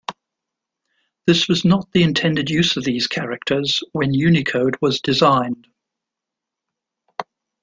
This was not the intended use of these characters when Unicode was designed.